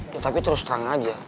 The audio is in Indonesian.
ya tapi terus terang aja